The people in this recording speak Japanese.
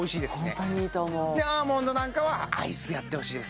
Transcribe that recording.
ホントにいいと思うアーモンドなんかはアイスやってほしいです